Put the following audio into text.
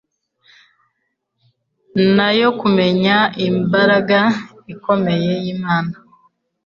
n'ayo kumenya imbaraga ikomeye y'Imana.